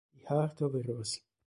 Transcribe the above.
The Heart of a Rose